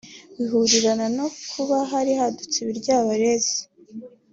bihurirana no kuba hari hadutse ibiryabarezi